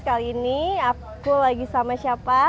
kali ini aku lagi sama siapa